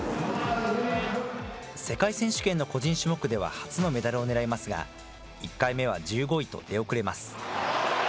世界選手権の個人種目では初のメダルをねらいますが、１回目は１５位と出遅れます。